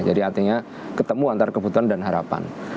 jadi artinya ketemu antara kebutuhan dan harapan